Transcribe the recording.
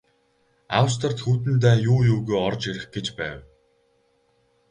Австрид Хүйтэн дайн юу юугүй орж ирэх гэж байв.